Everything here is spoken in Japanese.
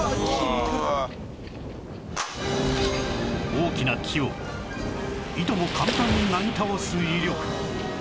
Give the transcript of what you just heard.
大きな木をいとも簡単になぎ倒す威力